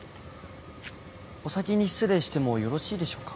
お先に失礼してもよろしいでしょうか？